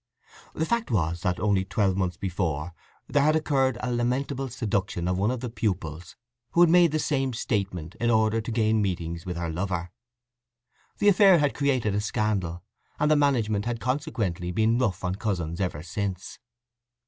The fact was that, only twelve months before, there had occurred a lamentable seduction of one of the pupils who had made the same statement in order to gain meetings with her lover. The affair had created a scandal, and the management had consequently been rough on cousins ever since.